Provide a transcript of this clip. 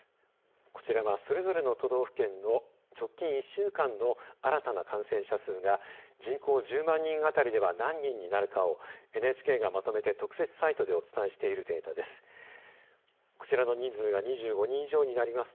こちらは、それぞれの都道府県の直近１週間の新たな感染者数が人口１０万人あたりでは何人になるかをＮＨＫがまとめて特設サイトでお伝えしているデータです。